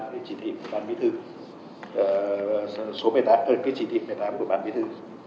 cái chỉ thị của bản bí thư số một mươi tám cái chỉ thị một mươi tám của bản bí thư